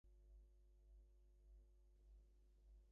আমার ভিতরে এসো?